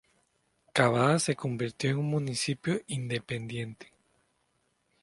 Cavada se convirtió en un municipio independiente.